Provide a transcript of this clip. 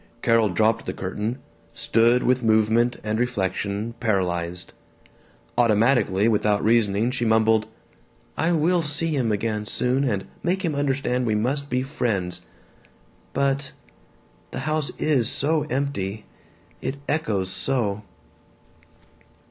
Carol dropped the curtain, stood with movement and reflection paralyzed. Automatically, without reasoning, she mumbled, "I will see him again soon and make him understand we must be friends. But The house is so empty. It echoes so."